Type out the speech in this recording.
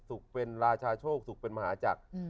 ศุกร์เป็นราชาโชคศุกร์เป็นมหาจักร